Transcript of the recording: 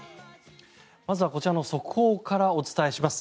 まずはこちらの速報からお伝えします。